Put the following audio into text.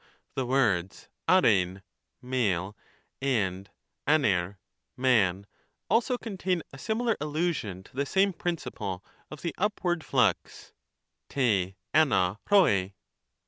The words dpprjv (male) and dvrjp (man) also contain a similar allusion to the same principle of the upward flux (r^ dvcj po^).